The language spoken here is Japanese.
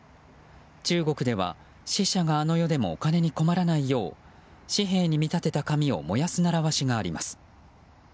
中国では、死者があの世でもお金に困らないよう紙幣に見立てた紙を燃やす習わしがあります。